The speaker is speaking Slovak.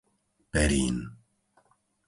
Perín